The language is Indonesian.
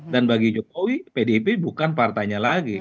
dan bagi jokowi pdip bukan partainya lagi